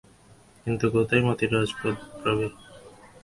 কিন্তু কোথায় মতির রাজপুত্র প্রবীর?